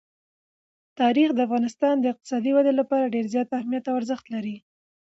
تاریخ د افغانستان د اقتصادي ودې لپاره ډېر زیات اهمیت او ارزښت لري.